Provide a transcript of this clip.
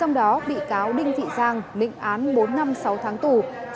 trong đó bị cáo đinh thị giang nịnh án bốn năm sáu tháng tù